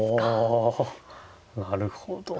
おなるほど。